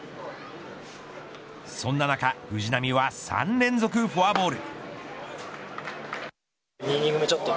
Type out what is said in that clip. そんな中、藤浪は３連続フォアボール。